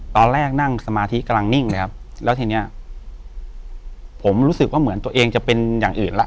ตอนแรกนั่งสมาธิกำลังนิ่งเลยครับแล้วทีเนี้ยผมรู้สึกว่าเหมือนตัวเองจะเป็นอย่างอื่นละ